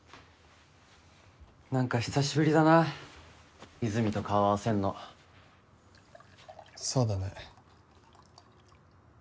何か久しぶりだな和泉と顔合わせんのそうだね